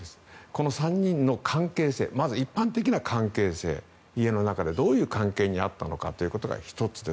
この３人の関係性まず一般的な関係性家の中でどういう関係にあったのかということが１つ。